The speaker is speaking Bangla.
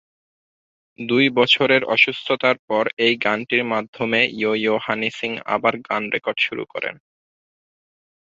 দুই বছর অসুস্থতার পর এই গানটির মাধ্যমে ইয়ো ইয়ো হানি সিং আবার গান রেকর্ড শুরু করেন।